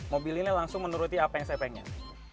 mobil ini langsung menuruti apa yang saya pengen